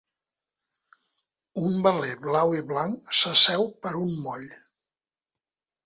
Un veler blau i blanc s'asseu per un moll.